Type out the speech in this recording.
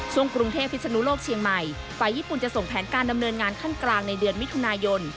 กรุงเทพพิศนุโลกเชียงใหม่ฝ่ายญี่ปุ่นจะส่งแผนการดำเนินงานขั้นกลางในเดือนมิถุนายน